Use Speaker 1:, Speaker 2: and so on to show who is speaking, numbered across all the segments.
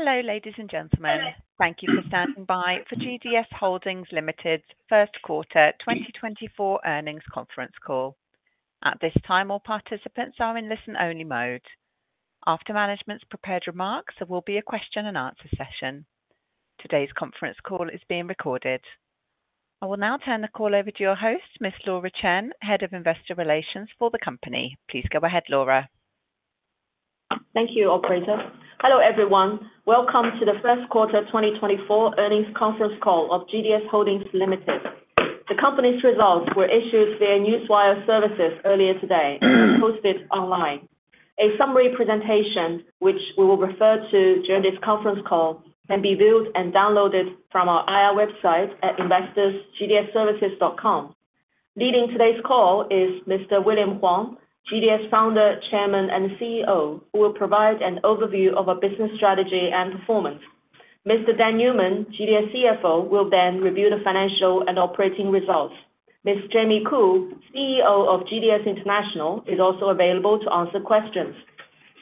Speaker 1: Hello, ladies and gentlemen. Thank you for standing by for GDS Holdings Limited's first quarter 2024 earnings conference call. At this time, all participants are in listen-only mode. After management's prepared remarks, there will be a question-and-answer session. Today's conference call is being recorded. I will now turn the call over to your host, Ms. Laura Chen, Head of Investor Relations for the company. Please go ahead, Laura.
Speaker 2: Thank you, operator. Hello, everyone. Welcome to the first quarter 2024 earnings conference call of GDS Holdings Limited. The company's results were issued via Newswire services earlier today and posted online. A summary presentation, which we will refer to during this conference call, can be viewed and downloaded from our IR website at investors.gds-services.com. Leading today's call is Mr. William Huang, GDS Founder, Chairman, and CEO, who will provide an overview of our business strategy and performance. Mr. Dan Newman, GDS CFO, will then review the financial and operating results. Ms. Jamie Khoo, CEO of GDS International, is also available to answer questions.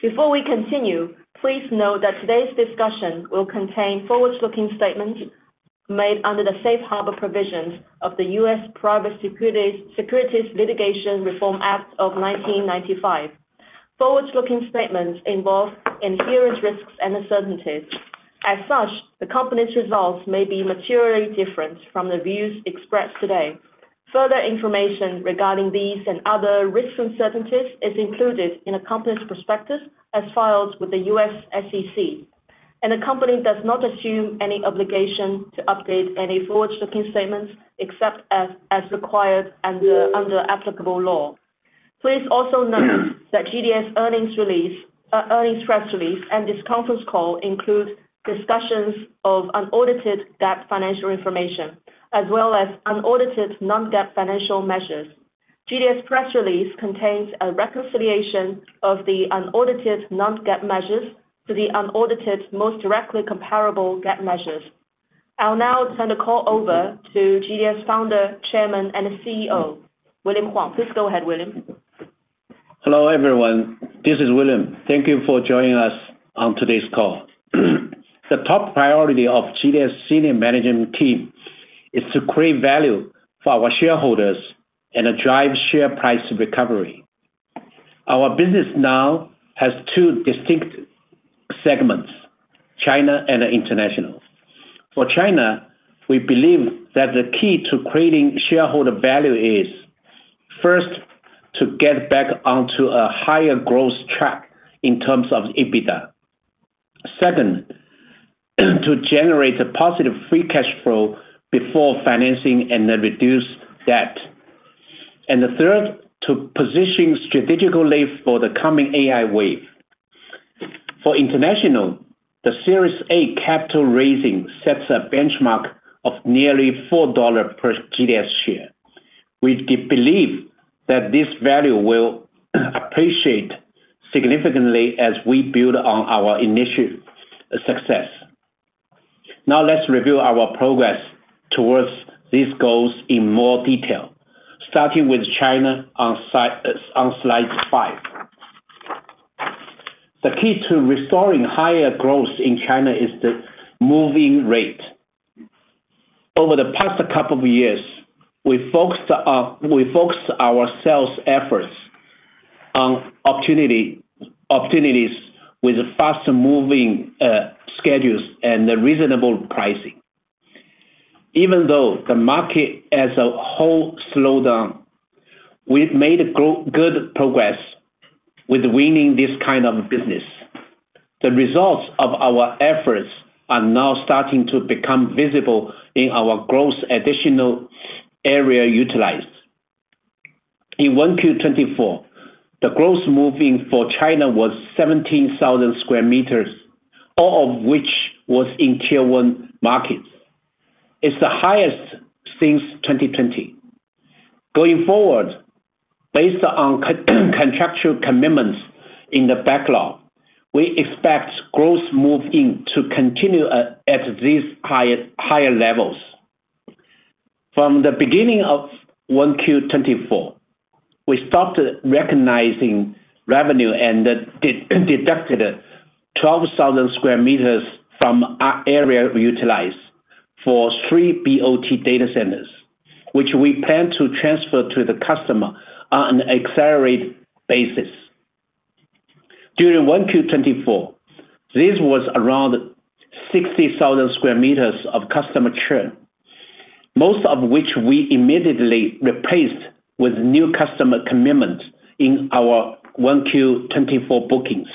Speaker 2: Before we continue, please note that today's discussion will contain forward-looking statements made under the Safe Harbor Provisions of the U.S. Private Securities Litigation Reform Act of 1995. Forward-looking statements involve inherent risks and uncertainties. As such, the company's results may be materially different from the views expressed today. Further information regarding these and other risk uncertainties is included in the company's prospectus as filed with the U.S. SEC, and the company does not assume any obligation to update any forward-looking statements, except as required under applicable law. Please also note that GDS earnings release, earnings press release and this conference call includes discussions of unaudited GAAP financial information, as well as unaudited non-GAAP financial measures. GDS press release contains a reconciliation of the unaudited non-GAAP measures to the unaudited most directly comparable GAAP measures. I'll now turn the call over to GDS Founder, Chairman, and CEO, William Huang. Please go ahead, William.
Speaker 3: Hello, everyone. This is William. Thank you for joining us on today's call. The top priority of GDS senior management team is to create value for our shareholders and drive share price recovery. Our business now has two distinct segments, China and International. For China, we believe that the key to creating shareholder value is, first, to get back onto a higher growth track in terms of EBITDA. Second, to generate a positive free cash flow before financing and then reduce debt. And the third, to position strategically for the coming AI wave. For international, the Series A capital raising sets a benchmark of nearly $4 per GDS share. We believe that this value will appreciate significantly as we build on our initial success. Now, let's review our progress towards these goals in more detail, starting with China on slide five. The key to restoring higher growth in China is the move-in rate. Over the past couple of years, we focused our sales efforts on opportunity, opportunities with fast-moving schedules and reasonable pricing. Even though the market as a whole slowed down, we've made good progress with winning this kind of business. The results of our efforts are now starting to become visible in our gross additional area utilized. In 1Q2024, the gross move-in for China was 17,000 square meters, all of which was in Tier One markets. It's the highest since 2020. Going forward, based on contractual commitments in the backlog, we expect gross move-in to continue at these higher levels. From the beginning of 1Q24, we started recognizing revenue and then deducted 12,000 square meters from our area we utilize for three BOT data centers, which we plan to transfer to the customer on an accelerated basis. During 1Q24, this was around 60,000 square meters of customer churn, most of which we immediately replaced with new customer commitments in our 1Q24 bookings.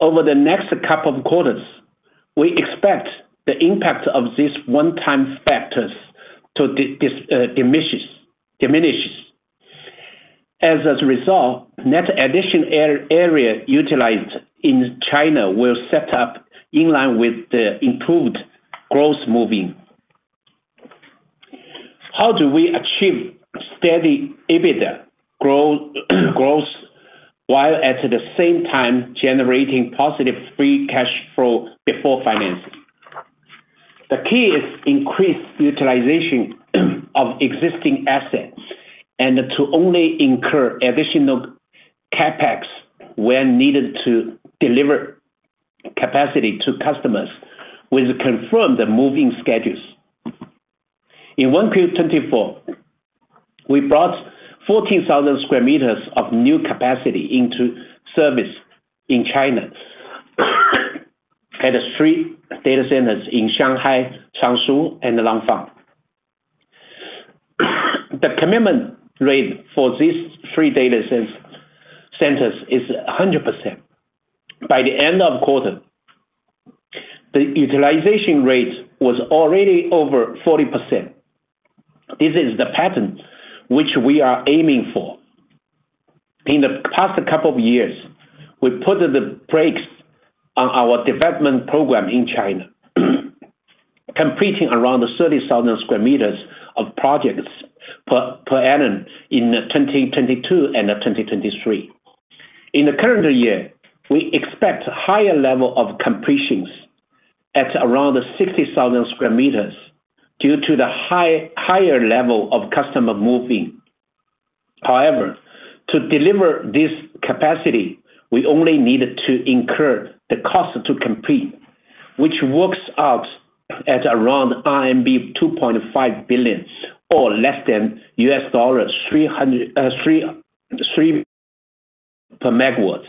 Speaker 3: Over the next couple of quarters, we expect the impact of these one-time factors to diminish. As a result, net additional area utilized in China will step up in line with the improved gross move-in. How do we achieve steady EBITDA growth, while at the same time generating positive free cash flow before financing?... The key is increased utilization of existing assets and to only incur additional CapEx when needed to deliver capacity to customers with confirmed moving schedules. In 1Q 2024, we brought 14,000 square meters of new capacity into service in China, at three data centers in Shanghai, Changshu, and Langfang. The commitment rate for these three data centers is 100%. By the end of quarter, the utilization rate was already over 40%. This is the pattern which we are aiming for. In the past couple of years, we put the brakes on our development program in China, completing around 30,000 square meters of projects per annum in 2022 and 2023. In the current year, we expect higher level of completions at around 60,000 square meters due to the higher level of customer move-in. However, to deliver this capacity, we only needed to incur the cost to complete, which works out at around RMB 2.5 billion or less than $333 per MW.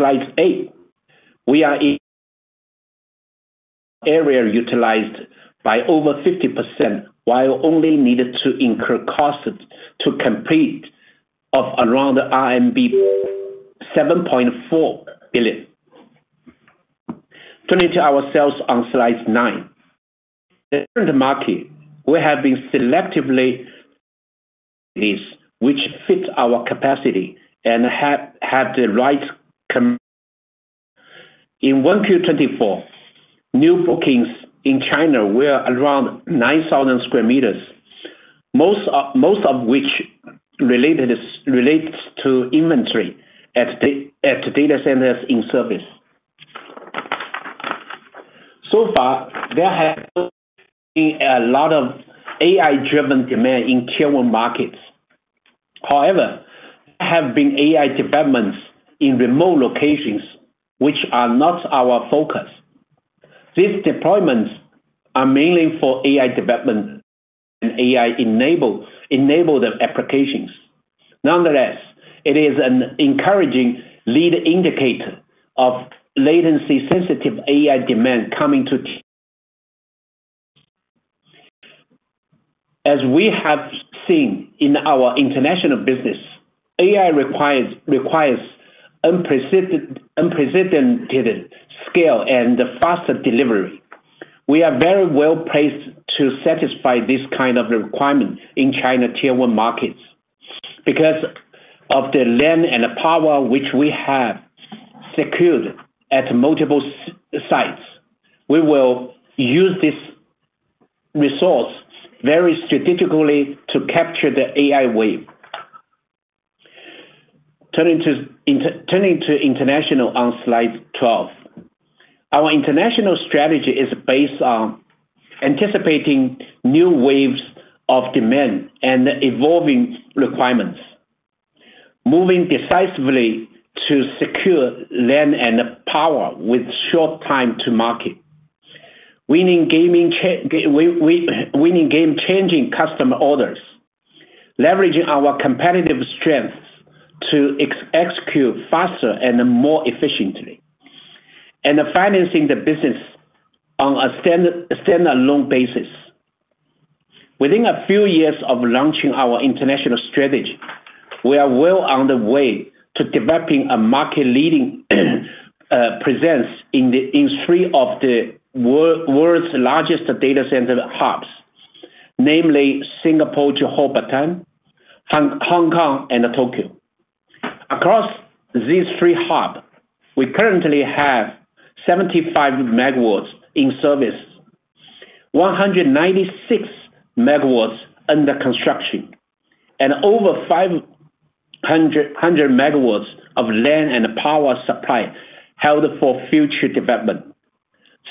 Speaker 3: Slide eight, net additional area utilized by over 50%, while only needed to incur costs to complete of around RMB 0.4 billion. Turning to ourselves on slide nine. In the market, we have been selective with deals, which fit our capacity and have the right com- In 1Q 2024, new bookings in China were around 9,000 square meters. Most of which relates to inventory at data centers in service. So far, there have been a lot of AI-driven demand in Tier one markets. However, there have been AI developments in remote locations, which are not our focus. These deployments are mainly for AI development and AI enabled applications. Nonetheless, it is an encouraging lead indicator of latency-sensitive AI demand coming to. As we have seen in our international business, AI requires unprecedented scale and faster delivery. We are very well-placed to satisfy this kind of requirement in China Tier One markets. Because of the land and power which we have secured at multiple sites, we will use this resource very strategically to capture the AI wave. Turning to international on slide 12. Our international strategy is based on anticipating new waves of demand and evolving requirements, moving decisively to secure land and power with short time to market. Winning game-changing customer orders, leveraging our competitive strengths to execute faster and more efficiently, and financing the business on a stand-alone basis. Within a few years of launching our international strategy, we are well on the way to developing a market-leading presence in three of the world's largest data center hubs, namely Singapore, Johor Bahru, Hong Kong, and Tokyo. Across these three hubs, we currently have 75 MW in service, 196 MW under construction, and over 500 MW of land and power supply held for future development,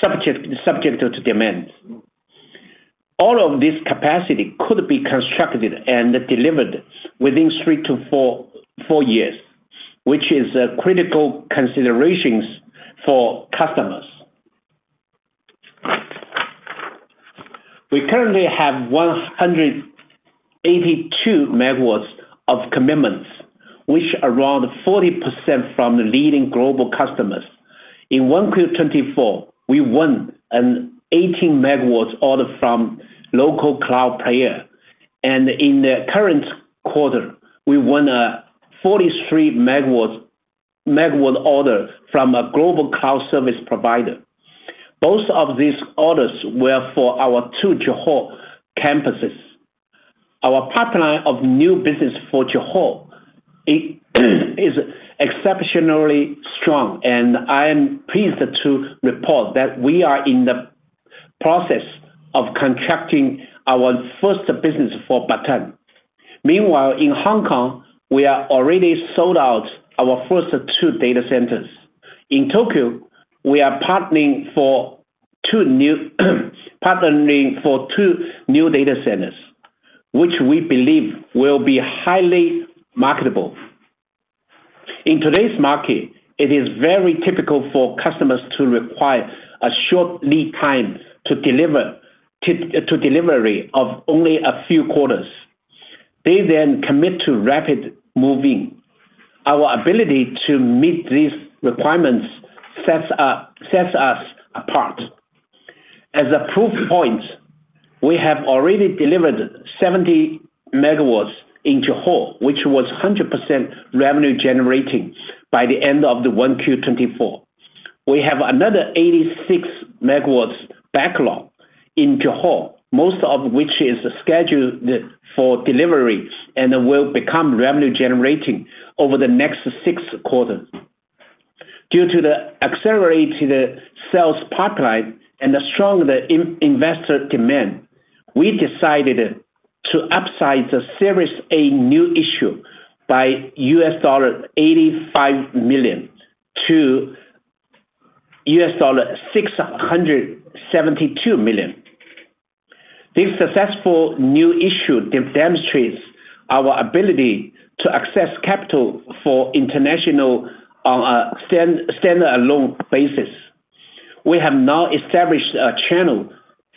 Speaker 3: subject to demands. All of this capacity could be constructed and delivered within three-four years, which is critical considerations for customers. We currently have 182 MW of commitments, which are around 40% from the leading global customers. In 1Q 2024, we won an 18 MW order from local cloud player, and in the current quarter, we won a 43 MW order from a global cloud service provider. Both of these orders were for our two Johor campuses. Our pipeline of new business for Johor is exceptionally strong, and I am pleased to report that we are in the process of contracting our first business for Batam. Meanwhile, in Hong Kong, we are already sold out our first two data centers. In Tokyo, we are partnering for two new data centers, which we believe will be highly marketable. In today's market, it is very typical for customers to require a short lead time to delivery of only a few quarters. They then commit to rapid moving. Our ability to meet these requirements sets us apart. As a proof point, we have already delivered 70 MW into johor, which was 100% revenue generating by the end of 1Q 2024. We have another 86 MW backlog in Johor, most of which is scheduled for delivery and will become revenue generating over the next six quarters. Due to the accelerated sales pipeline and the stronger investor demand, we decided to upsize the Series A new issue by $85 million-$672 million. This successful new issue demonstrates our ability to access capital for international stand-alone basis. We have now established a channel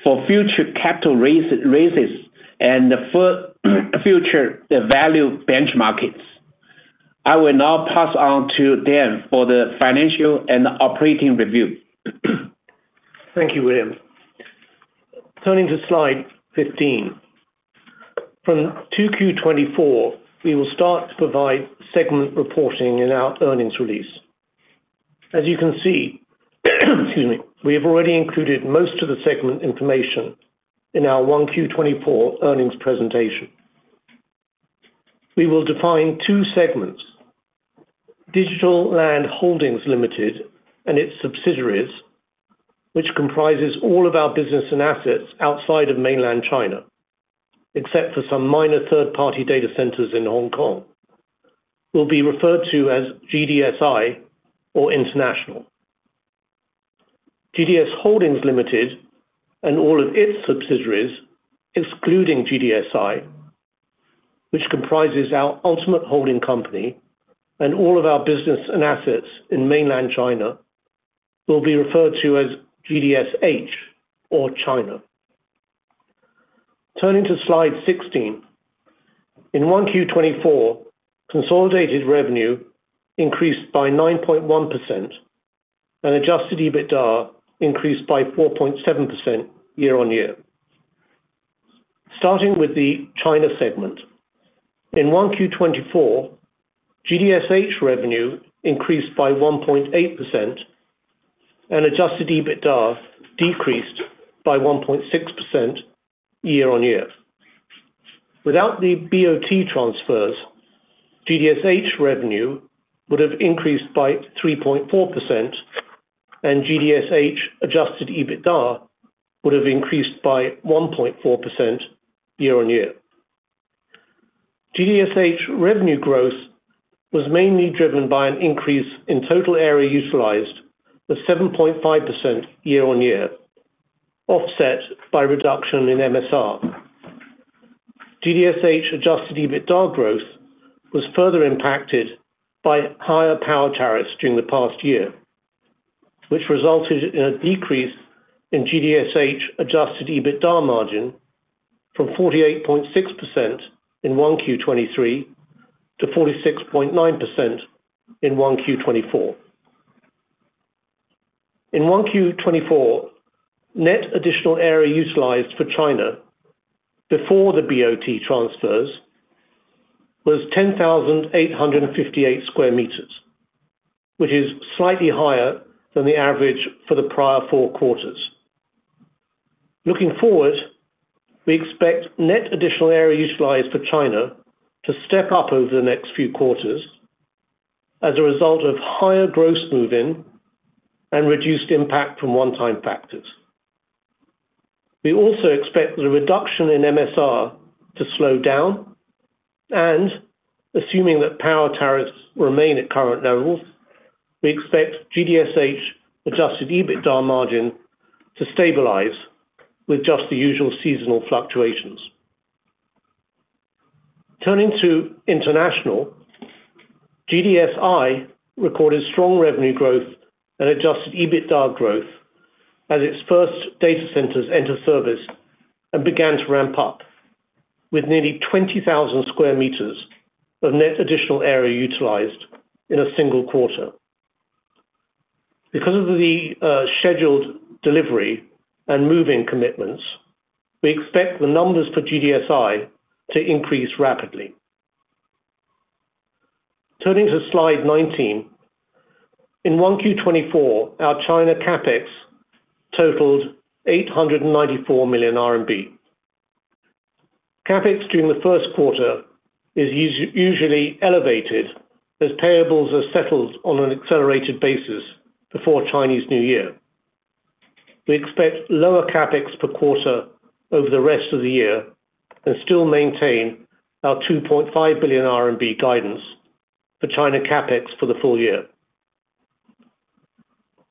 Speaker 3: for future capital raises and the future value in benchmark markets. I will now pass on to Dan for the financial and operating review.
Speaker 4: Thank you, William. Turning to slide 15. From 2Q 2024, we will start to provide segment reporting in our earnings release. As you can see, excuse me, we have already included most of the segment information in our 1Q 2024 earnings presentation. We will define two segments: Digital Land Holdings Limited and its subsidiaries, which comprises all of our business and assets outside of Mainland China, except for some minor third-party data centers in Hong Kong, will be referred to as GDSI or International. GDS Holdings Limited and all of its subsidiaries, excluding GDSI, which comprises our ultimate holding company and all of our business and assets in Mainland China, will be referred to as GDSH or China. Turning to Slide 16. In 1Q 2024, consolidated revenue increased by 9.1%, and Adjusted EBITDA increased by 4.7% year-on-year. Starting with the China segment. In 1Q 2024, GDSH revenue increased by 1.8%, and Adjusted EBITDA decreased by 1.6% year-on-year. Without the BOT transfers, GDSH revenue would have increased by 3.4%, and GDSH Adjusted EBITDA would have increased by 1.4% year-on-year. GDSH revenue growth was mainly driven by an increase in total area utilized of 7.5% year-on-year, offset by reduction in MSR. GDSH Adjusted EBITDA growth was further impacted by higher power tariffs during the past year, which resulted in a decrease in GDSH Adjusted EBITDA margin from 48.6% in 1Q 2023-46.9% in 1Q 2024. In 1Q24, net additional area utilized for China before the BOT transfers was 10,858 square meters, which is slightly higher than the average for the prior four quarters. Looking forward, we expect net additional area utilized for China to step up over the next few quarters as a result of higher gross move-in and reduced impact from one-time factors. We also expect the reduction in MSR to slow down, and assuming that power tariffs remain at current levels, we expect GDSH adjusted EBITDA margin to stabilize with just the usual seasonal fluctuations. Turning to international, GDSI recorded strong revenue growth and adjusted EBITDA growth as its first data centers entered service and began to ramp up, with nearly 20,000 square meters of net additional area utilized in a single quarter. Because of the scheduled delivery and move-in commitments, we expect the numbers for GDSI to increase rapidly. Turning to slide 19. In 1Q 2024, our China CapEx totaled 894 million RMB. CapEx during the first quarter is usually elevated, as payables are settled on an accelerated basis before Chinese New Year. We expect lower CapEx per quarter over the rest of the year and still maintain our 2.5 billion RMB guidance for China CapEx for the full year.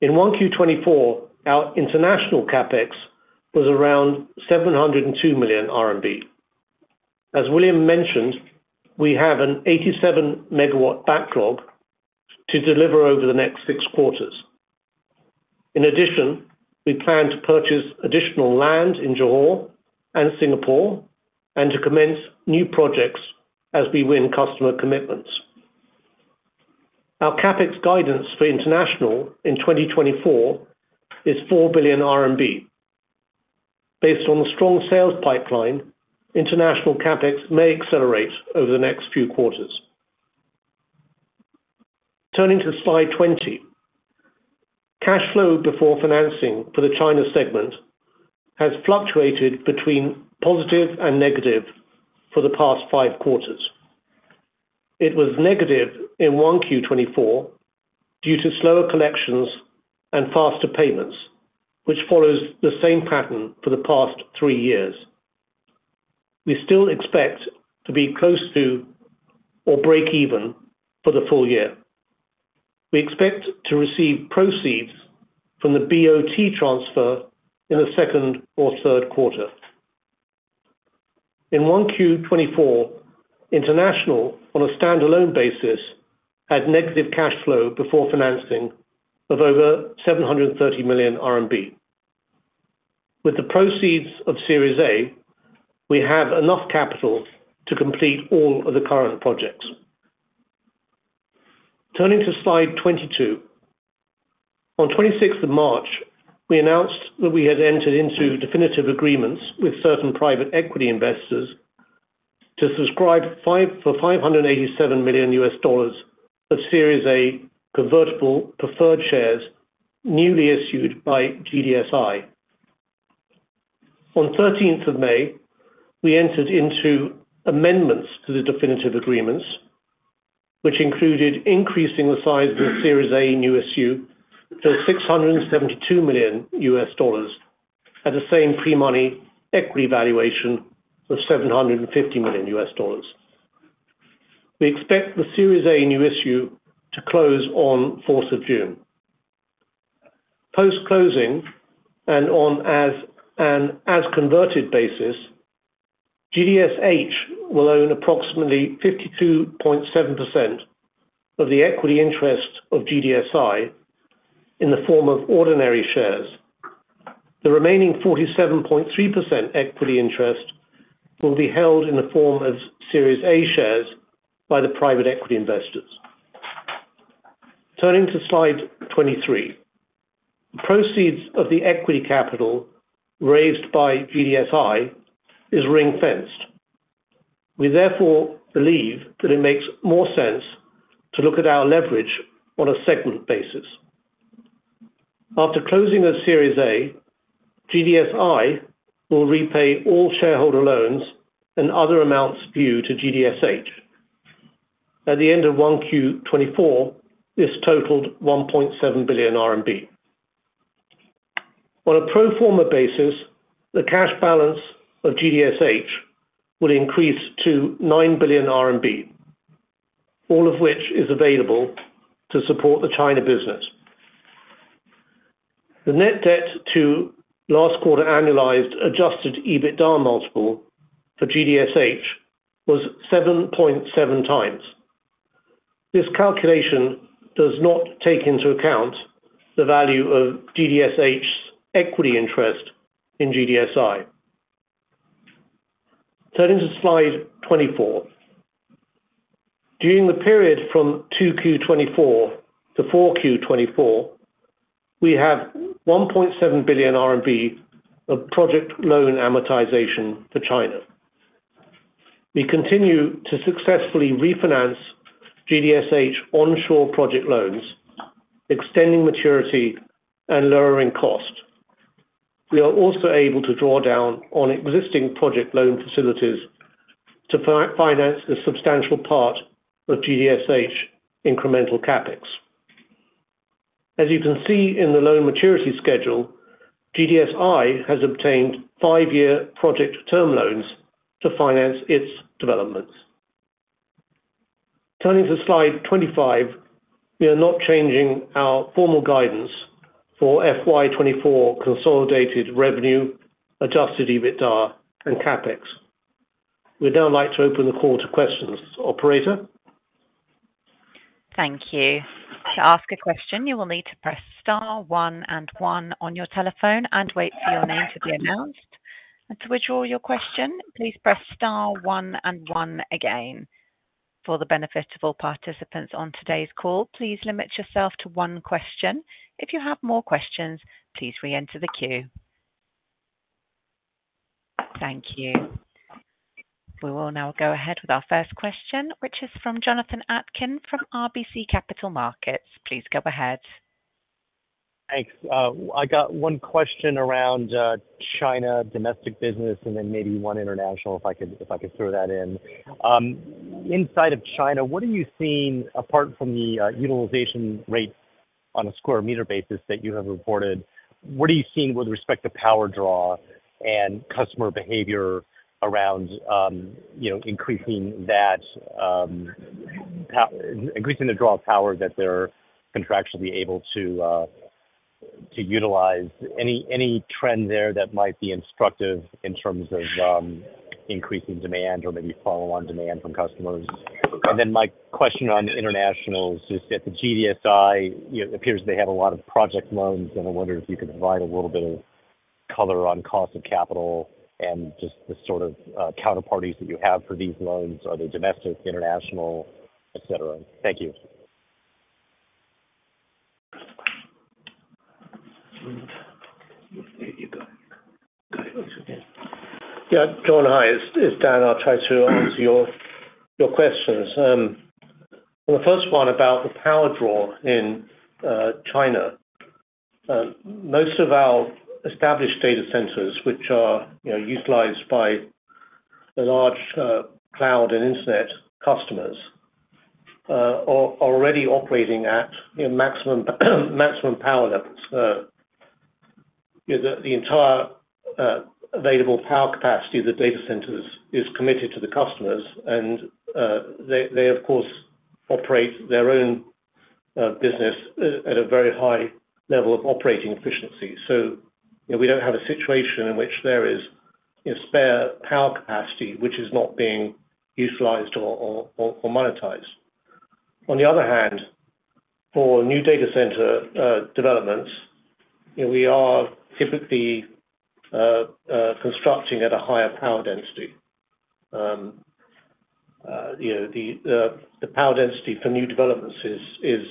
Speaker 4: In 1Q 2024, our international CapEx was around 702 million RMB. As William mentioned, we have an 87 MW backlog to deliver over the next six quarters. In addition, we plan to purchase additional land in Johor and Singapore and to commence new projects as we win customer commitments. Our CapEx guidance for international in 2024 is four billion RMB. Based on the strong sales pipeline, international CapEx may accelerate over the next few quarters. Turning to slide 20. Cash flow before financing for the China segment has fluctuated between positive and negative for the past five quarters. It was negative in 1Q 2024 due to slower collections and faster payments, which follows the same pattern for the past three years. We still expect to be close to or breakeven for the full year. We expect to receive proceeds from the BOT transfer in the second or third quarter. In 1Q 2024, international, on a standalone basis, had negative cash flow before financing of over 730 million RMB. With the proceeds of Series A, we have enough capital to complete all of the current projects. Turning to slide 22. On the 26th of March, we announced that we had entered into definitive agreements with certain private equity investors to subscribe for $587 million of Series A convertible preferred shares, newly issued by GDSI. On the 13th May, we entered into amendments to the definitive agreements, which included increasing the size of the Series A new issue to $672 million, at the same pre-money equity valuation of $750 million. We expect the Series A new issue to close on the 4th of June. Post-closing, and on an as-converted basis, GDSH will own approximately 52.7% of the equity interest of GDSI in the form of ordinary shares. The remaining 47.3% equity interest will be held in the form of Series A shares by the private equity investors. Turning to slide 23. Proceeds of the equity capital raised by GDSI is ring-fenced. We therefore believe that it makes more sense to look at our leverage on a segment basis. After closing of Series A, GDSI will repay all shareholder loans and other amounts due to GDSH. At the end of 1Q 2024, this totaled 1.7 billion RMB. On a pro forma basis, the cash balance of GDSH will increase to nine billion RMB, all of which is available to support the China business. The net debt to last quarter annualized adjusted EBITDA multiple for GDSH was 7.7x. This calculation does not take into account the value of GDSH's equity interest in GDSI. Turning to slide 24. During the period from 2Q 2024-4Q 2024, we have 1.7 billion RMB of project loan amortization for China. We continue to successfully refinance GDSH onshore project loans, extending maturity and lowering cost. We are also able to draw down on existing project loan facilities to finance a substantial part of GDSH incremental CapEx. As you can see in the loan maturity schedule, GDSI has obtained five-year project term loans to finance its developments. Turning to slide 25, we are not changing our formal guidance for FY 2024 consolidated revenue, adjusted EBITDA and CapEx. We'd now like to open the call to questions. Operator?
Speaker 1: Thank you. To ask a question, you will need to press star one and one on your telephone and wait for your name to be announced. To withdraw your question, please press star one and one again. For the benefit of all participants on today's call, please limit yourself to one question. If you have more questions, please reenter the queue. Thank you. We will now go ahead with our first question, which is from Jonathan Atkin from RBC Capital Markets. Please go ahead. ...
Speaker 5: Thanks. I got one question around China domestic business, and then maybe one international, if I could throw that in. Inside of China, what are you seeing apart from the utilization rate on a square meter basis that you have reported? What are you seeing with respect to power draw and customer behavior around, you know, increasing the draw of power that they're contractually able to utilize? Any trend there that might be instructive in terms of increasing demand or maybe follow on demand from customers? My question on internationals is, at the GDSI, you know, it appears they have a lot of project loans, and I wonder if you could provide a little bit of color on cost of capital and just the sort of counterparties that you have for these loans. Are they domestic, international, et cetera? Thank you.
Speaker 4: Yeah, John, hi, it's Dan. I'll try to answer your questions. Well, the first one about the power draw in China. Most of our established data centers, which are, you know, utilized by the large cloud and internet customers, are already operating at a maximum power levels. You know, the entire available power capacity of the data centers is committed to the customers, and they, of course, operate their own business at a very high level of operating efficiency. So, you know, we don't have a situation in which there is a spare power capacity which is not being utilized or monetized. On the other hand, for new data center developments, you know, we are typically constructing at a higher power density. You know, the power density for new developments is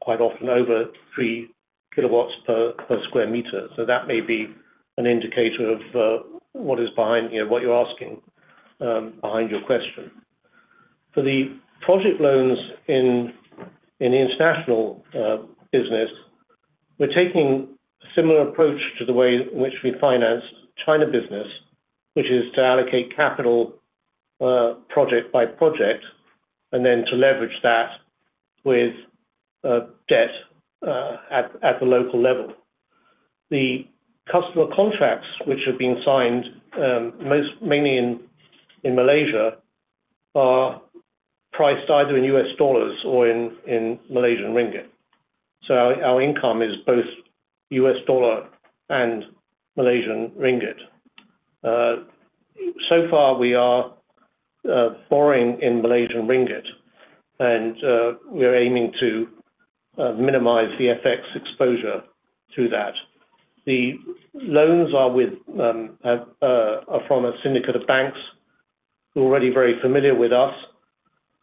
Speaker 4: quite often over 3 kW per sq m. So that may be an indicator of what is behind, you know, what you're asking, behind your question. For the project loans in the international business, we're taking a similar approach to the way in which we finance China business, which is to allocate capital project by project, and then to leverage that with debt at the local level. The customer contracts, which have been signed, most mainly in Malaysia, are priced either in U.S. dollars or in Malaysian ringgit. So our income is both U.S. dollar and Malaysian ringgit. So far we are borrowing in Malaysian ringgit, and we're aiming to minimize the FX exposure to that. The loans are from a syndicate of banks who are already very familiar with us,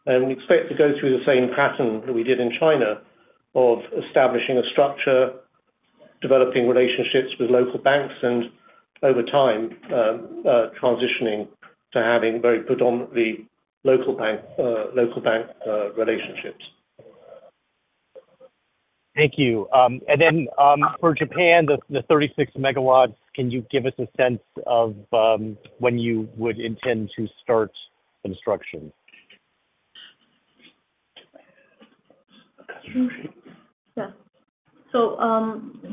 Speaker 4: and we expect to go through the same pattern that we did in China of establishing a structure, developing relationships with local banks, and over time, transitioning to having very predominantly local bank relationships.
Speaker 5: Thank you. And then, for Japan, the 36 MW, can you give us a sense of when you would intend to start construction?
Speaker 6: Yeah. So,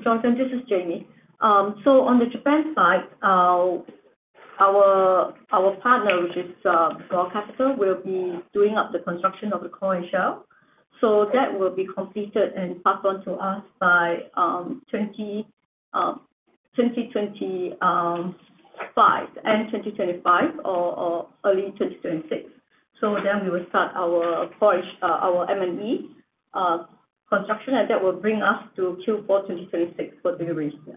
Speaker 6: Jonathan, this is Jamie. So on the Japan side, our partner, which is Gaw Capital, will be doing up the construction of the core and shell. So that will be completed and passed on to us by end 2025 or early 2026. So then we will start our approach, our M&E construction, and that will bring us to Q4 2026 for deliveries. Yeah.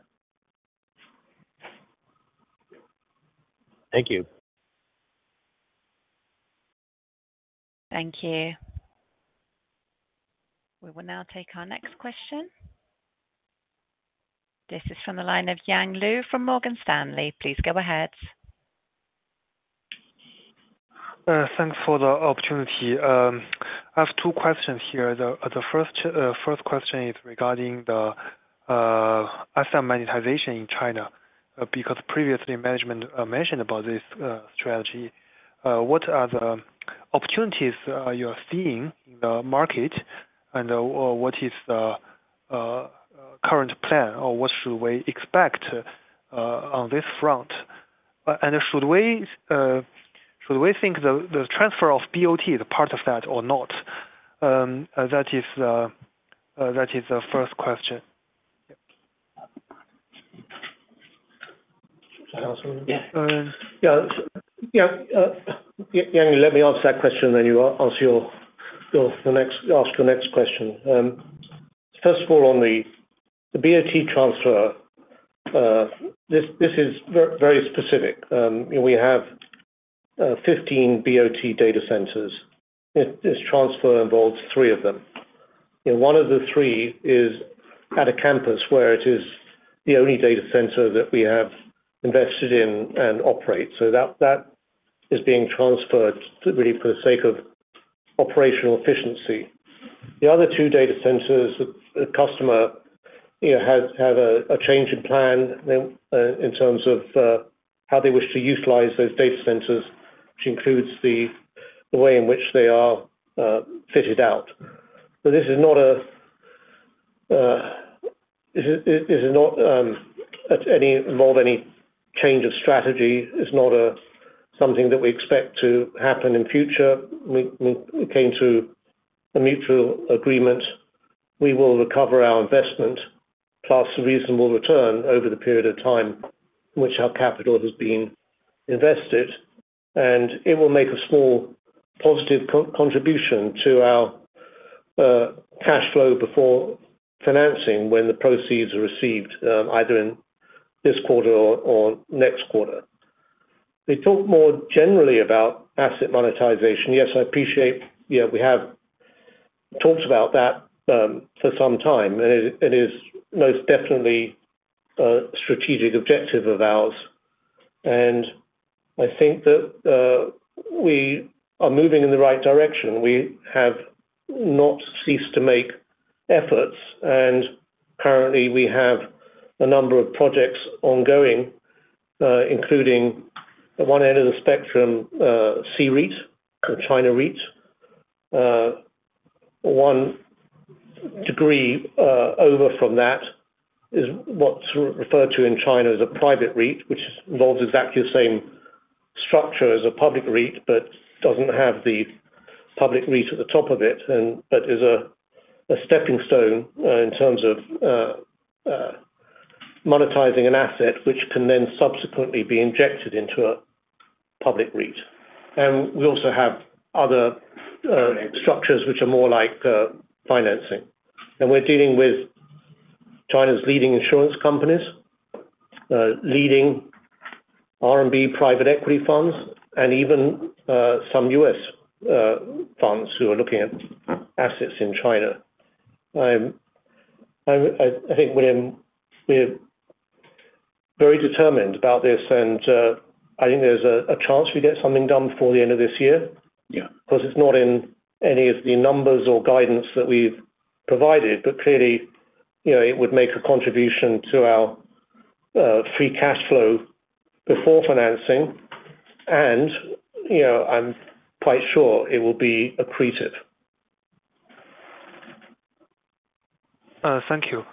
Speaker 5: Thank you.
Speaker 1: Thank you. We will now take our next question. This is from the line of Yang Liu from Morgan Stanley. Please go ahead.
Speaker 7: Thanks for the opportunity. I have two questions here. The first question is regarding the asset monetization in China, because previously management mentioned about this strategy. What are the opportunities you are seeing in the market, and what is the current plan, or what should we expect on this front? And should we think the transfer of BOT is a part of that or not? That is the first question.
Speaker 4: Yeah. Yeah, yeah, Yang, let me answer that question, then you answer your next question. First of all, on the BOT transfer, this is very specific. We have 15 BOT data centers. This transfer involves three of them. You know, one of the three is at a campus where it is the only data center that we have invested in and operate. So that is being transferred really for the sake of operational efficiency. The other two data centers, the customer, you know, has had a change in plan in terms of how they wish to utilize those data centers, which includes the way in which they are fitted out. But this is not a, this is not at any involve any change of strategy. It's not something that we expect to happen in future. We came to a mutual agreement. We will recover our investment, plus a reasonable return over the period of time in which our capital has been invested, and it will make a small positive co-contribution to our cash flow before financing when the proceeds are received, either in this quarter or next quarter. We talk more generally about asset monetization. Yes, I appreciate, you know, we have talked about that, for some time, and it is most definitely a strategic objective of ours, and I think that we are moving in the right direction. We have not ceased to make efforts, and currently we have a number of projects ongoing, including at one end of the spectrum, C-REIT, China REIT. One degree over from that is what's referred to in China as a private REIT, which involves exactly the same structure as a public REIT, but doesn't have the public REIT at the top of it, and but is a stepping stone in terms of monetizing an asset, which can then subsequently be injected into a public REIT. And we also have other structures which are more like financing. And we're dealing with China's leading insurance companies, leading RMB private equity funds, and even some U.S. funds who are looking at assets in China. I think William, we're very determined about this, and I think there's a chance we get something done before the end of this year.
Speaker 7: Yeah.
Speaker 4: Plus, it's not in any of the numbers or guidance that we've provided, but clearly, you know, it would make a contribution to our free cash flow before financing, and, you know, I'm quite sure it will be accretive.
Speaker 7: Thank you.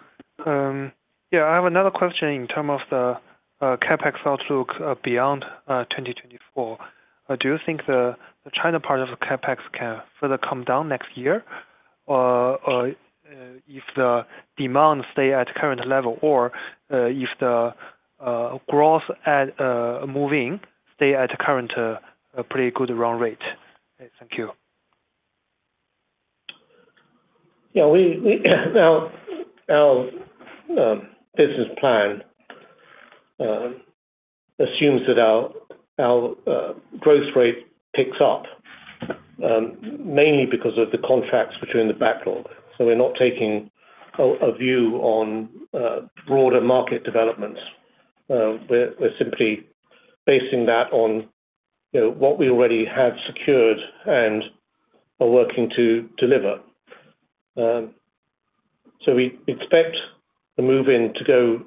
Speaker 7: Yeah, I have another question in term of the CapEx outlook beyond 2024. Do you think the China part of the CapEx can further come down next year? If the demand stay at current level or if the growth at moving stay at current pretty good run rate. Thank you.
Speaker 4: Yeah, we our business plan assumes that our growth rate picks up mainly because of the contracts which are in the backlog. So we're not taking a view on broader market developments. We're simply basing that on, you know, what we already have secured and are working to deliver. So we expect the move-in to go,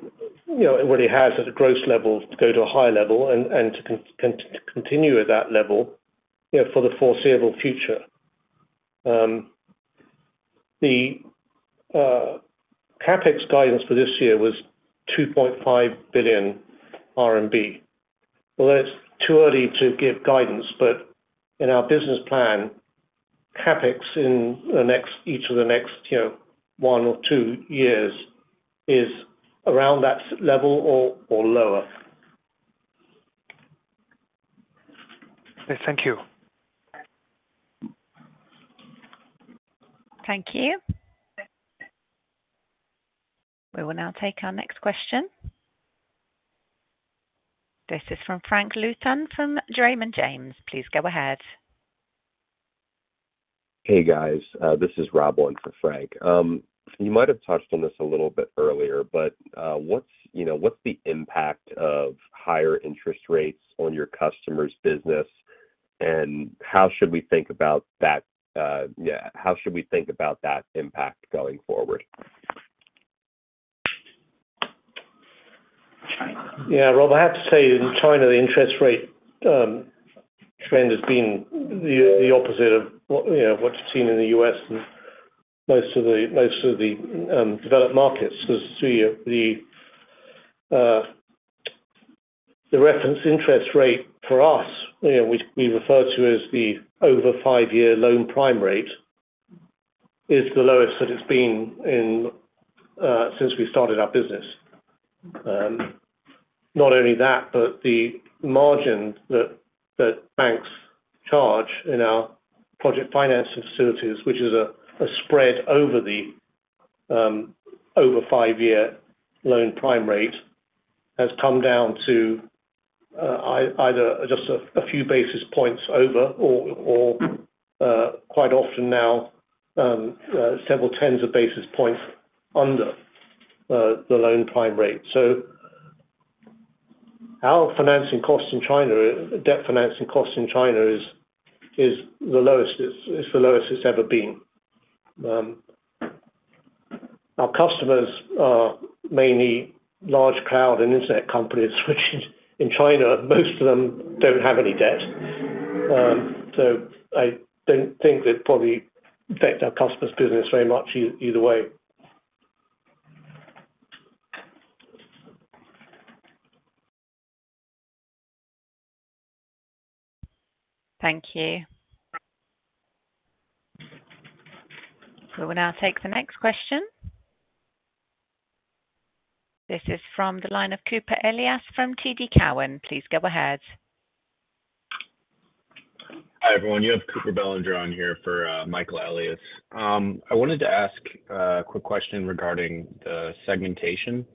Speaker 4: you know, it already has at a growth level, to go to a higher level and to continue at that level, you know, for the foreseeable future. The CapEx guidance for this year was 2.5 billion RMB. Well, it's too early to give guidance, but in our business plan, CapEx in the next, each of the next, you know, one or two years is around that same level or lower.
Speaker 7: Okay, thank you.
Speaker 1: Thank you. We will now take our next question. This is from Frank Louthan, from Raymond James. Please go ahead.
Speaker 8: Hey, guys, this is Rob on for Frank. You might have touched on this a little bit earlier, but what's, you know, what's the impact of higher interest rates on your customers' business, and how should we think about that, yeah, how should we think about that impact going forward?
Speaker 4: Yeah, Rob, I have to say, in China, the interest rate trend has been the opposite of what, you know, what you've seen in the U.S. and most of the developed markets, because the reference interest rate for us, you know, which we refer to as the over five-year Loan Prime Rate, is the lowest that it's been in since we started our business. Not only that, but the margin that banks charge in our project financing facilities, which is a spread over the over five-year Loan Prime Rate, has come down to either just a few basis points over or quite often now several tens of basis points under the Loan Prime Rate. So-... Our financing costs in China, debt financing costs in China is the lowest, it's the lowest it's ever been. Our customers are mainly large cloud and internet companies, which in China, most of them don't have any debt. So I don't think that probably affects our customers' business very much either way.
Speaker 1: Thank you. We will now take the next question. This is from the line of Cooper Belanger from TD Cowen. Please go ahead.
Speaker 9: Hi, everyone. You have Cooper Belanger on here for Michael Elias. I wanted to ask a quick question regarding the segmentation.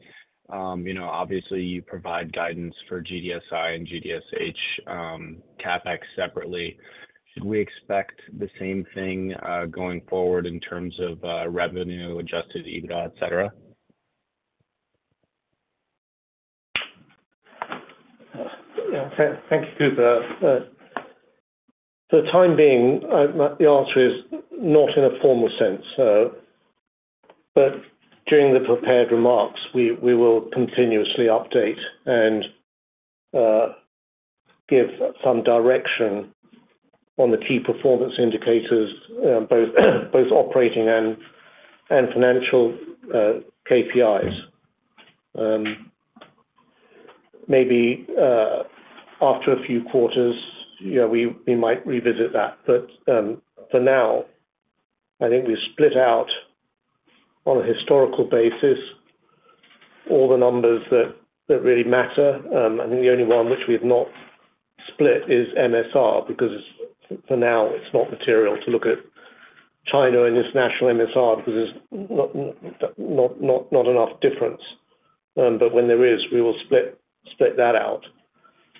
Speaker 9: You know, obviously, you provide guidance for GDSI and GDSH CapEx separately. Should we expect the same thing going forward in terms of revenue, adjusted EBITDA, et cetera?
Speaker 4: Yeah, thanks, Cooper. For the time being, the answer is not in a formal sense, but during the prepared remarks, we will continuously update and give some direction on the key performance indicators, both operating and financial KPIs. Maybe after a few quarters, you know, we might revisit that, but for now, I think we split out on a historical basis, all the numbers that really matter. I think the only one which we've not split is MSR, because it's—for now, it's not material to look at China and its national MSR, because there's not enough difference. But when there is, we will split that out,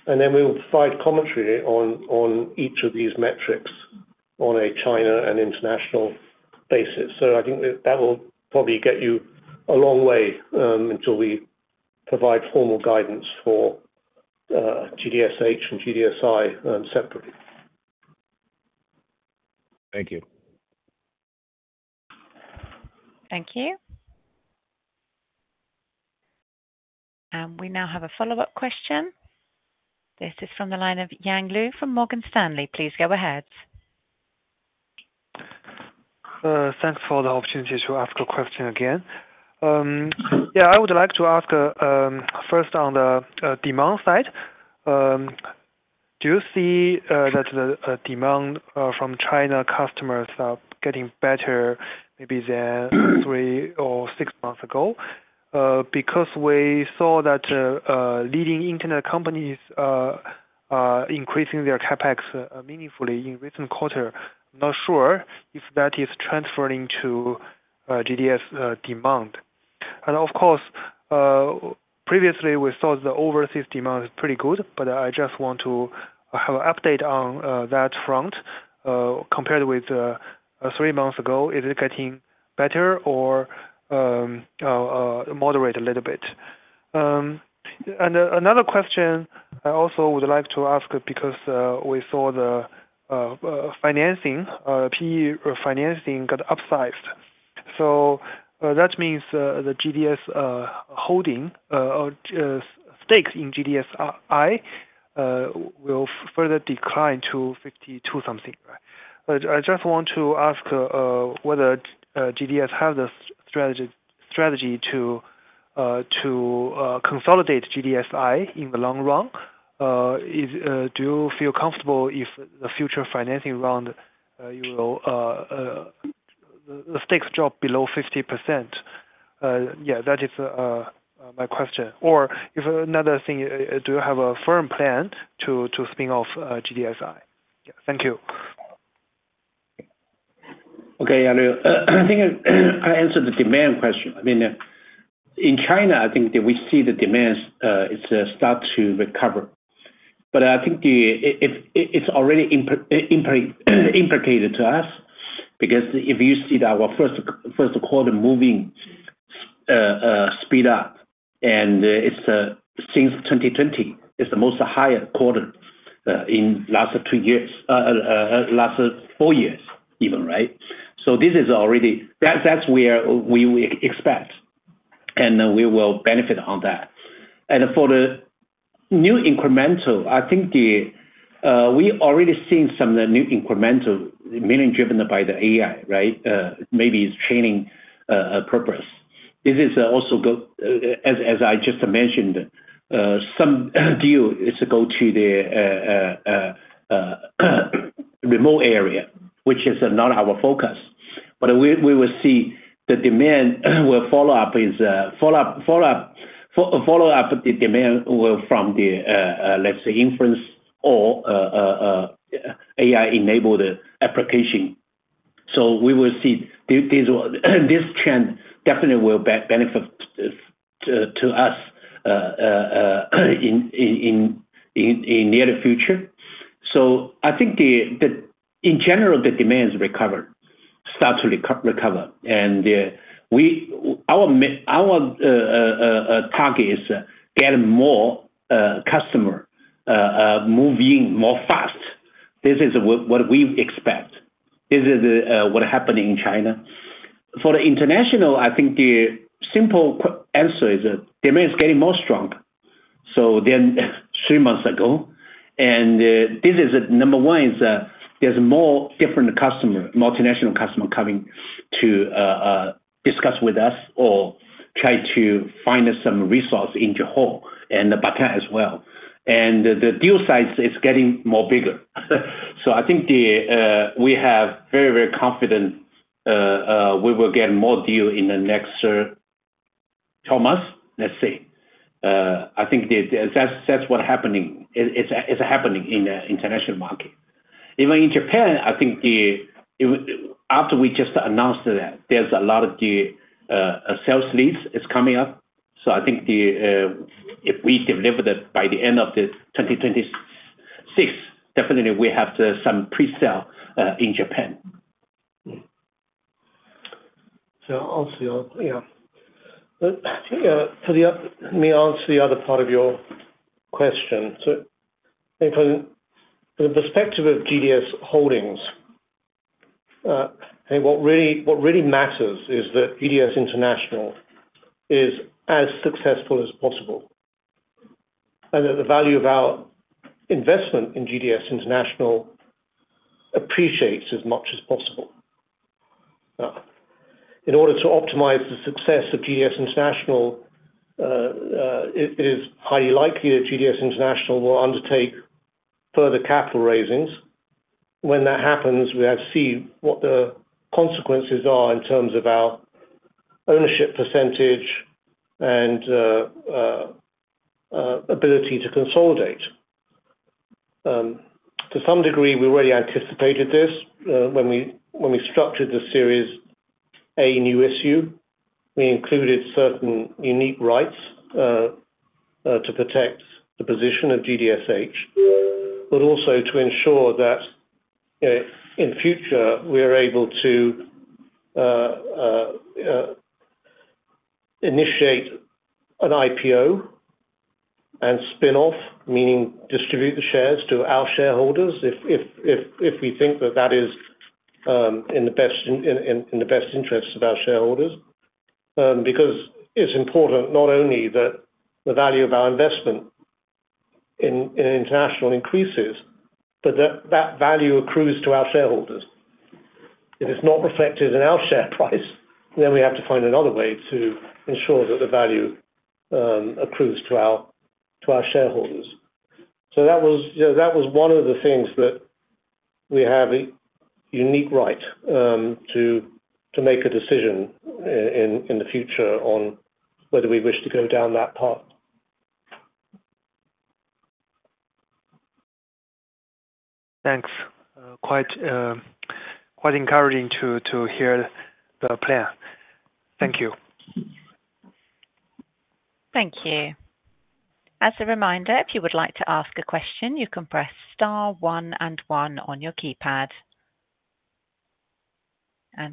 Speaker 4: and then we will provide commentary on each of these metrics on a China and international basis. So I think that will probably get you a long way, until we provide formal guidance for GDSH and GDSI, separately.
Speaker 9: Thank you.
Speaker 1: Thank you. We now have a follow-up question. This is from the line of Yang Liu, from Morgan Stanley. Please go ahead.
Speaker 7: Thanks for the opportunity to ask a question again. Yeah, I would like to ask first on the demand side. Do you see that the demand from China customers are getting better maybe than three or six months ago? Because we saw that leading internet companies increasing their CapEx meaningfully in recent quarter. Not sure if that is transferring to GDS demand. And of course, previously, we saw the overseas demand is pretty good, but I just want to have an update on that front compared with three months ago. Is it getting better or moderate a little bit? And another question I also would like to ask, because we saw the financing PE financing got upsized. So, that means the GDS Holdings stake in GDSI will further decline to 52 something, right? But I just want to ask whether GDS have the strategy to consolidate GDSI in the long run. Do you feel comfortable if the future financing round you will the stakes drop below 50%? Yeah, that is my question. Or another thing, do you have a firm plan to spin off GDSI? Yeah. Thank you.
Speaker 4: Okay, Yang Liu, I think I answered the demand question. I mean, in China, I think that we see the demand, it's start to recover. But I think the... If it, it's already impacted to us, because if you see our first quarter move-in speed up, and, it's, since 2020, it's the highest quarter in last two years, last four years, even, right? So this is already... That's where we expect, and, we will benefit on that. And for the new incremental, I think the, we already seen some of the new incremental, mainly driven by the AI, right? Maybe it's training purposes. This is also going, as I just mentioned, some deal is to go to the remote area, which is not our focus. But we will see the demand, we'll follow up the demand from the, let's say, inference or AI-enabled application. So we will see this trend definitely will benefit to us in near the future. So I think in general, the demand's recovered....
Speaker 3: start to recover, and we, our target is getting more customer moving more fast. This is what we expect. This is what happening in China. For the international, I think the simple answer is that demand is getting more strong, so than three months ago, and this is number one, is that there's more different customer, multinational customer, coming to discuss with us or try to find us some resource in Johor and Batam as well. And the deal size is getting more bigger. So I think we have very, very confident we will get more deal in the next 12 months. Let's see. I think that's what happening. It is happening in the international market. Even in Japan, I think after we just announced that, there's a lot of the sales leads is coming up, so I think if we deliver that by the end of 2026, definitely we have to some pre-sale in Japan.
Speaker 4: So also, yeah. For the other, let me answer the other part of your question. So I think from the perspective of GDS Holdings, I think what really, what really matters is that GDS International is as successful as possible, and that the value of our investment in GDS International appreciates as much as possible. In order to optimize the success of GDS International, it is highly likely that GDS International will undertake further capital raisings. When that happens, we have to see what the consequences are in terms of our ownership percentage and ability to consolidate. To some degree, we already anticipated this, when we structured the Series A new issue. We included certain unique rights to protect the position of GDSH, but also to ensure that in future, we are able to initiate an IPO and spin-off, meaning distribute the shares to our shareholders, if we think that that is in the best interests of our shareholders. Because it's important not only that the value of our investment in International increases, but that that value accrues to our shareholders. If it's not reflected in our share price, then we have to find another way to ensure that the value accrues to our shareholders. So that was, you know, that was one of the things that we have a unique right to make a decision in the future on whether we wish to go down that path.
Speaker 7: Thanks. Quite encouraging to hear the plan. Thank you.
Speaker 1: Thank you. As a reminder, if you would like to ask a question, you can press star one and one on your keypad.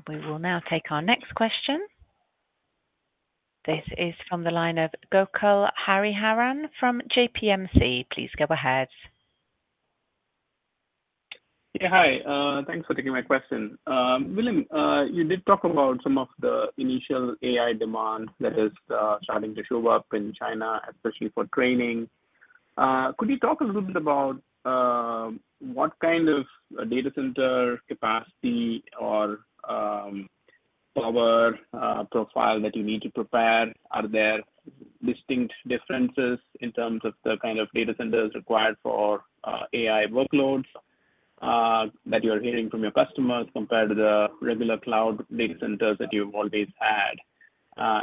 Speaker 1: We will now take our next question. This is from the line of Gokul Hariharan from JPMC. Please go ahead.
Speaker 10: Yeah, hi. Thanks for taking my question. William, you did talk about some of the initial AI demand that is starting to show up in China, especially for training. Could you talk a little bit about what kind of data center capacity or power profile that you need to prepare? Are there distinct differences in terms of the kind of data centers required for AI workloads that you're hearing from your customers, compared to the regular cloud data centers that you've always had?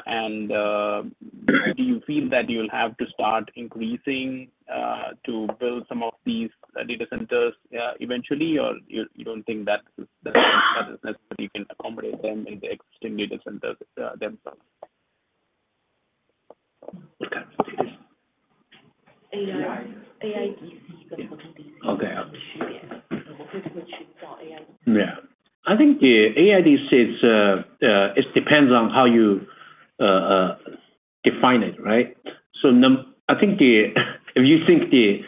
Speaker 10: And do you feel that you'll have to start increasing to build some of these data centers eventually, or you don't think that's the case, but you can accommodate them in the existing data centers themselves?
Speaker 3: What kind is this?
Speaker 4: AI.
Speaker 3: AI.
Speaker 4: AIDC.
Speaker 3: Okay.
Speaker 4: Yeah.
Speaker 3: Yeah. I think the AIDC is, it depends on how you define it, right? So I think if you think the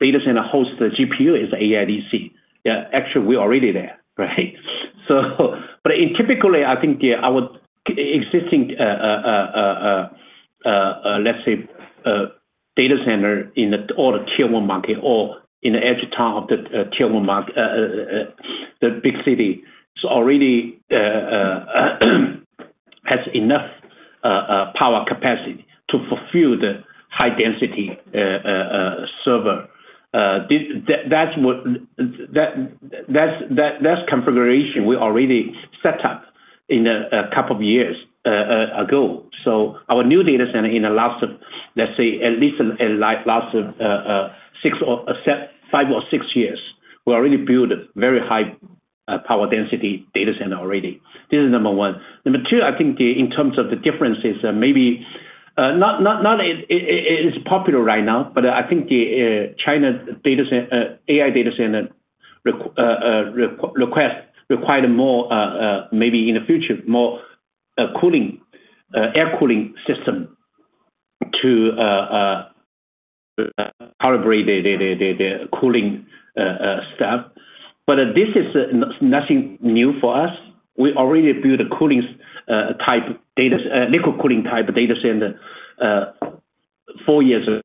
Speaker 3: data center hosts the GPU is AIDC, yeah, actually, we're already there, right? So, but typically, I think our existing, let's say, data center in all the Tier One market or in the edge town of the Tier One market, the big city, it's already has enough power capacity to fulfill the high density server. That's what configuration we already step up in a couple of years ago. So our new data center in the last, let's say, at least in the last five or six years, we already built very high power density data center already. This is number one. Number two, I think in terms of the differences, maybe not it, it's popular right now, but I think the China data center AI data center require more, maybe in the future, more cooling air cooling system to calibrate the cooling stuff. But this is nothing new for us. We already built a cooling type data liquid cooling type data center four years ago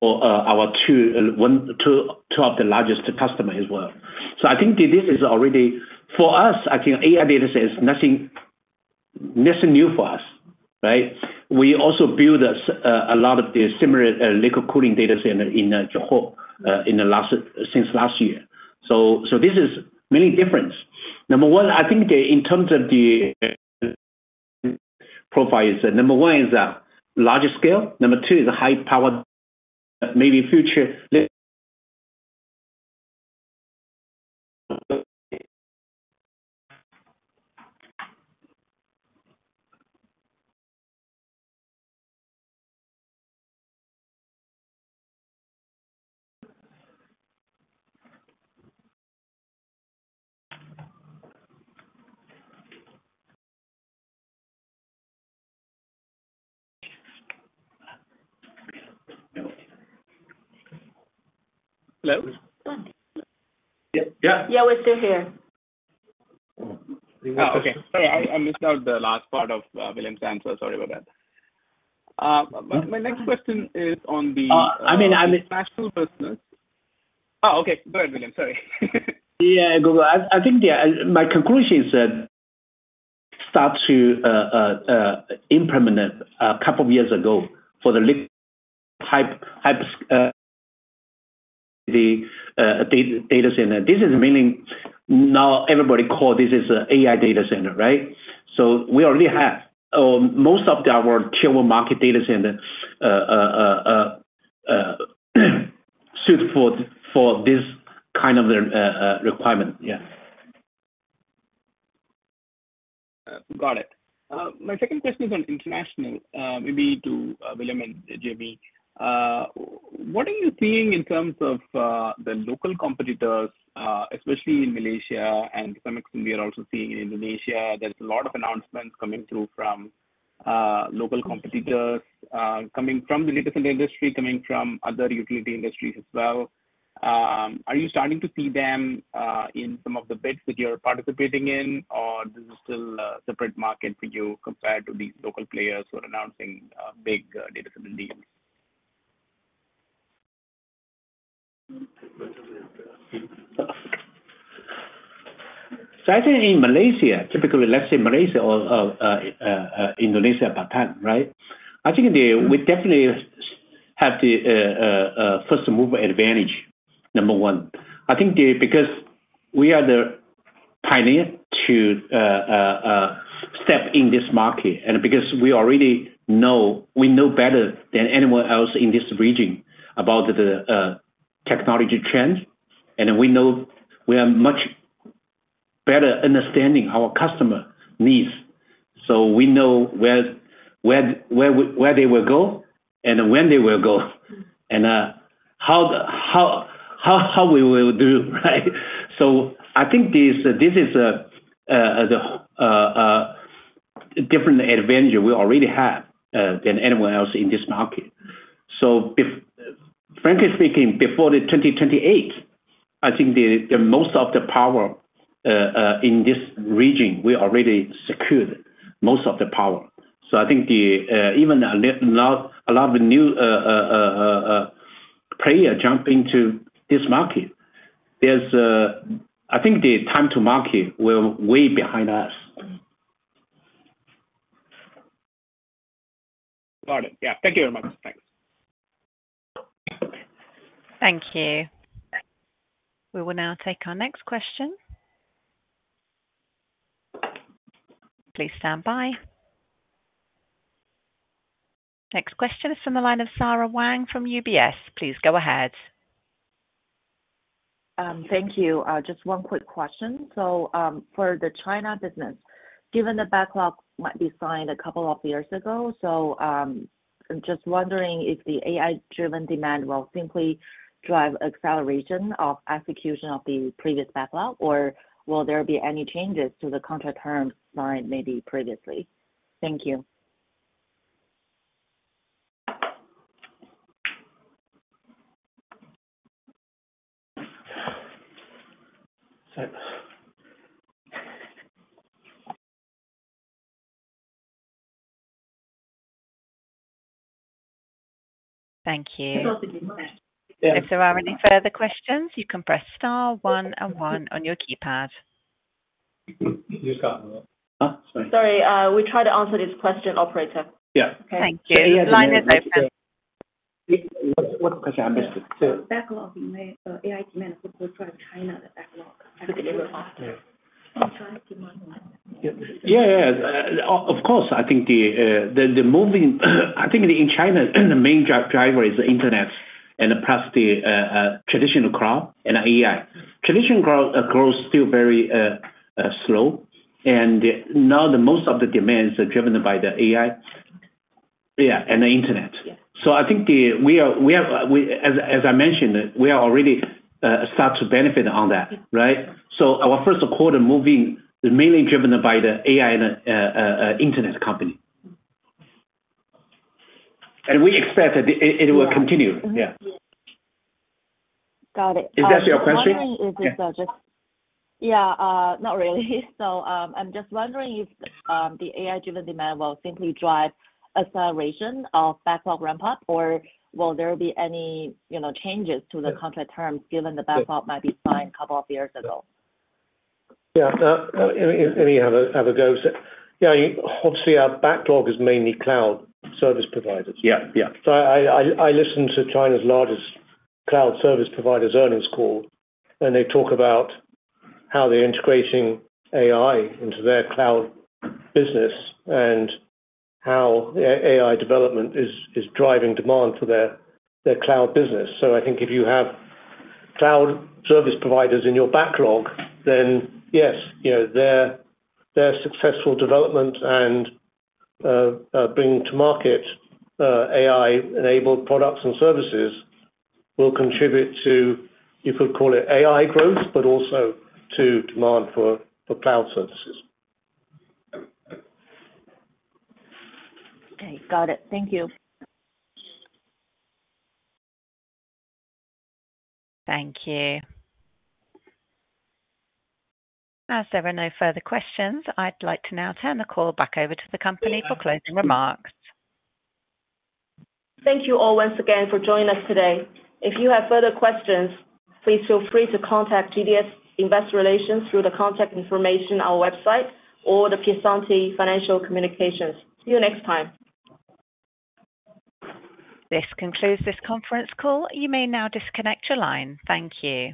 Speaker 3: for our two of the largest customer as well. So I think this is already... For us, I think AI data center is nothing, nothing new for us, right? We also build a lot of the similar liquid cooling data center in Johor in the last, since last year. So this is mainly difference. Number one, I think, in terms of the profiles, number one is a larger scale, number two is a high power, maybe future li-
Speaker 10: Hello?
Speaker 3: Yeah, yeah.
Speaker 11: Yeah, we're still here.
Speaker 10: Oh, okay. Sorry, I, I missed out the last part of William's answer. Sorry about that. My, my next question is on the-
Speaker 3: I mean,
Speaker 10: national versus... Oh, okay. Go ahead, William. Sorry.
Speaker 3: Yeah, Google. I think, yeah, my conclusion is that start to implement a couple of years ago for the large type data center. This is meaning now everybody call this is AI data center, right? So we already have most of our Tier 1 market data center suit for this kind of requirement. Yeah.
Speaker 10: Got it. My second question is on international, maybe to William and Jamie. What are you seeing in terms of the local competitors, especially in Malaysia and to some extent we are also seeing in Indonesia? There's a lot of announcements coming through from local competitors, coming from the data center industry, coming from other utility industries as well. Are you starting to see them in some of the bids that you're participating in, or this is still a separate market for you compared to these local players who are announcing big data center deals?
Speaker 3: So I think in Malaysia, typically, let's say Malaysia or Indonesia, Batam, right? I think we definitely have the first mover advantage, number one. I think because we are the pioneer to step in this market, and because we already know, we know better than anyone else in this region about the technology trend, and we know we are much better understanding our customer needs. So we know where they will go and when they will go, and how we will do, right? So I think this is a different advantage we already have than anyone else in this market. So frankly speaking, before 2028, I think the most of the power in this region, we already secured most of the power. So I think the even a lot of new player jump into this market, there's a... I think the time to market were way behind us.
Speaker 10: Got it. Yeah. Thank you very much. Thanks.
Speaker 1: Thank you. We will now take our next question. Please stand by. Next question is from the line of Sara Wang from UBS. Please go ahead.
Speaker 11: Thank you. Just one quick question. So, for the China business, given the backlog might be signed a couple of years ago, I'm just wondering if the AI-driven demand will simply drive acceleration of execution of the previous backlog, or will there be any changes to the contract terms signed maybe previously? Thank you.
Speaker 1: Thank you.
Speaker 11: Yeah.
Speaker 1: If there are any further questions, you can press star one and one on your keypad.
Speaker 3: You just got more. Huh? Sorry.
Speaker 11: Sorry, we tried to answer this question, operator.
Speaker 3: Yeah.
Speaker 1: Thank you. Line is open.
Speaker 3: What question I missed?
Speaker 11: Backlog in way, AI demand will drive China the backlog faster....
Speaker 3: Yeah, yeah, of course, I think the moving, I think in China, the main driver is the internet and perhaps the traditional cloud and AI. Traditional cloud is still very slow, and now most of the demands are driven by the AI. Yeah, and the internet. So I think, as I mentioned, we are already starting to benefit on that, right? So our first quarter moving is mainly driven by the AI and internet company. And we expect that it will continue. Yeah.
Speaker 11: Got it.
Speaker 3: Is that your question?
Speaker 11: Is this just? Yeah, not really. So, I'm just wondering if the AI-driven demand will simply drive acceleration of backlog ramp-up, or will there be any, you know, changes to the contract terms, given the backlog might be signed couple of years ago?
Speaker 4: Yeah, obviously, our backlog is mainly cloud service providers.
Speaker 3: Yeah, yeah.
Speaker 4: So I listen to China's largest cloud service providers' earnings call, and they talk about how they're integrating AI into their cloud business and how AI development is driving demand for their cloud business. So I think if you have cloud service providers in your backlog, then yes, you know, their successful development and bringing to market AI-enabled products and services will contribute to, you could call it AI growth, but also to demand for cloud services.
Speaker 11: Okay, got it. Thank you.
Speaker 1: Thank you. As there are no further questions, I'd like to now turn the call back over to the company for closing remarks.
Speaker 2: Thank you all once again for joining us today. If you have further questions, please feel free to contact GDS Investor Relations through the contact information on our website or The Piacente Group. See you next time.
Speaker 1: This concludes this conference call. You may now disconnect your line. Thank you.